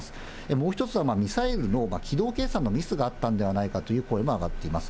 もう１つはミサイルの軌道計算のミスがあったんではないかという声も上がっています。